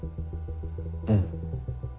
うん。